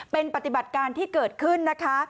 เป็นปฏิบัติการที่เกิดขึ้นนะคะ